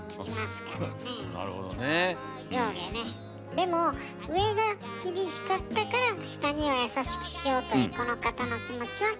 でも上が厳しかったから下には優しくしようというこの方の気持ちは優しい大事な気持ちだと思います。